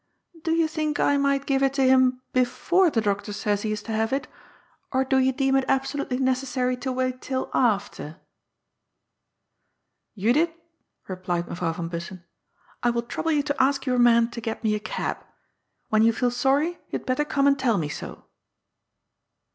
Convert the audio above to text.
Do you think I might give it him before the doctor says he is to have it, or do you deem it absolutely necessary to wait till after ?"" Judith," replied Mevrouw van Bussen, " I will trouble you to ask your man to get me a cab. When you feel sorry, you had better come and tell me so."